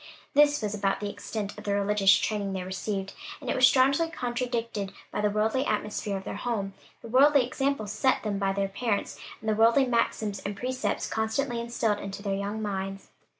This was about the extent of the religious training they received; and it was strongly counteracted by the worldly atmosphere of their home, the worldly example set them by their parents, and the worldly maxims and precepts constantly instilled into their young minds.